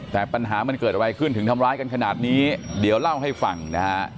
แต่ปัญหามันเกิดอะไรขึ้นถึงทำร้ายกันขนาดนี้เดี๋ยวเล่าให้ฟังนะฮะ